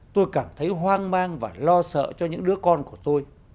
tôi cảm thấy hoang mang và lo sợ cho những đứa con của tôi